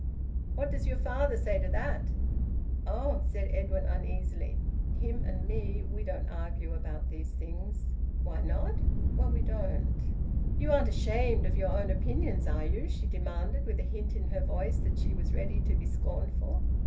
"What does your father say to that?" "Oh!" said Edwin uneasily. "Him and me we don't argue about these things." "Why not?" "Well, we don't." "You aren't ashamed of your own opinions, are you?" she demanded, with a hint in her voice that she was ready to be scornful.